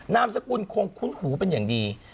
นามสกุลคงคุ้นหูเป็นอย่างดี